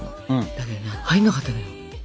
だけどね入んなかったのよ。